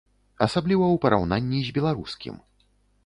Асабліва ў параўнанні з беларускім.